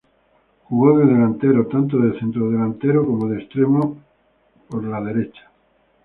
Jugó de delantero tanto de centrodelantero como de extremo por derecha.